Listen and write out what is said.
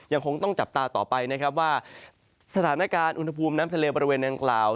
ยังคงต้องจับตาต่อไปนะครับว่าสถานการณ์อุณหภูมิน้ำทะเลบริเวณนางกล่าว